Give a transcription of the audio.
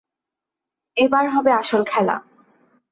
এবার হবে আসল খেলা!